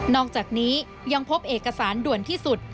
อกจากนี้ยังพบเอกสารด่วนที่สุด